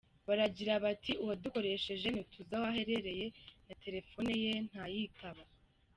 Baragira bati :« Uwadukoresheje ntituzi aho aherereye na telepfone ye ntayitaba ».